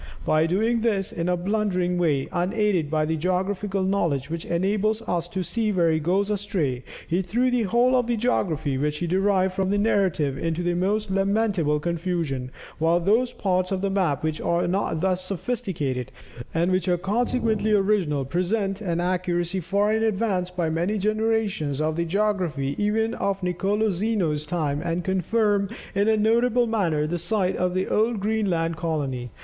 By doing this in a blundering way, unaided by the geographical knowledge which enables us to see where he goes astray, he threw the whole of the geography which he derived from the narrative into the most lamentable confusion, while those parts of the map which are not thus sophisticated, and which are consequently original, present an accuracy far in advance by many generations of the geography even of Nicolo Zeno's time, and confirm in a notable manner the site of the old Greenland colony.